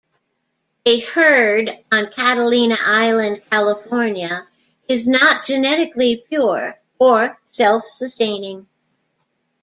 A herd on Catalina island, California is not genetically pure or self-sustaining.